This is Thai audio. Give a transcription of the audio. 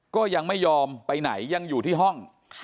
ก็ยังไม่ยอมไปไหนยังอยู่ที่ห้อง